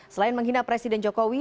selain menghina presiden jokowi